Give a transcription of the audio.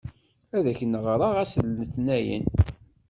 Ad ak-n-ɣṛeɣ ass Letnayen.